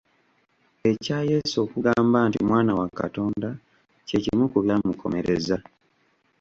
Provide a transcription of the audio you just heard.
Ekya Yesu okugamba nti mwana wa Katonda kye kimu ku byamukomereza.